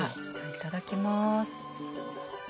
いただきます。